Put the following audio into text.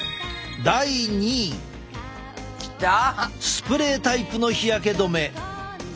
スプレータイプの日焼け止め。